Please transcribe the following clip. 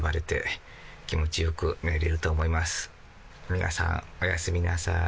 皆さんおやすみなさい。